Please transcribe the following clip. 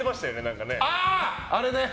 あれね。